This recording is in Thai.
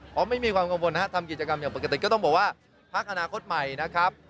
เพราะไม่มีความกังวลนะครับทำกิจกรรมอย่างปกติก็ต้องบอกว่าพักอนาคตใหม่นะครับ